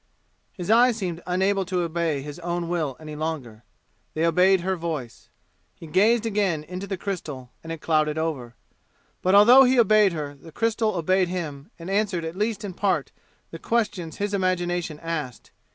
His eyes seemed unable to obey his own will any longer. They obeyed her voice. He gazed again into the crystal, and it clouded over. But although he obeyed her, the crystal obeyed him and answered at least in part the questions his imagination asked.